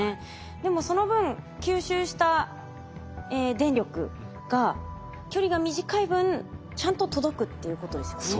でもその分吸収した電力が距離が短い分ちゃんと届くっていうことですよね。